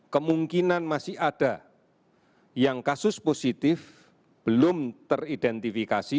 kemungkinan masih ada yang kasus positif belum teridentifikasi